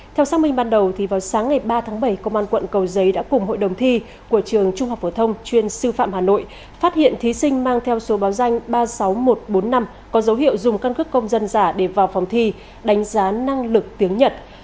theo xác minh ban đầu vào sáng ngày ba tháng bảy công an quận cầu giấy đã cùng hội đồng thi của trường trung học phổ thông chuyên sư phạm hà nội phát hiện thí sinh mang theo số báo danh ba mươi sáu nghìn một trăm bốn mươi năm có dấu hiệu dùng căn cước công dân giả để vào phòng thi đánh giá năng lực tiếng nhật